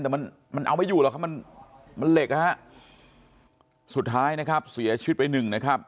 แต่มันมันเอาไม่อยู่หรอกครับมันมันเหล็กนะฮะสุดท้ายนะครับเสียชีวิตไปหนึ่งนะครับ